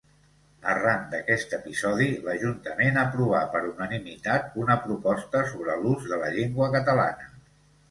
Arran d'aquest episodi, l'ajuntament aprovà per unanimitat una proposta sobre l'ús de la llengua catalana.